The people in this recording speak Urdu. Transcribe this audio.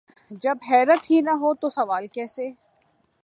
جب حیرت ہی نہ ہو تو سوال کیسے؟